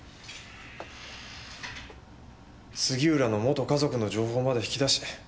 杉浦の元家族の情報まで引き出し